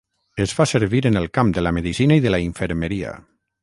Es fa servir en el camp de la medicina i de la infermeria.